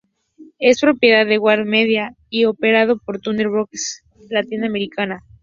Es propiedad de WarnerMedia, y es operado por Turner Broadcasting System Latin America.